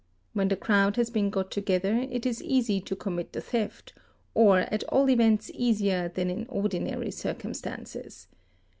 When the — crowd has been got together it is easy to commit the theft, or at all — events easier than in ordinary circumstances.